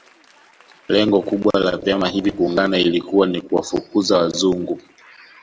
Lengo kubwa la vyama hivi kuungana ilikuwa ni kuwafukuza Wazungu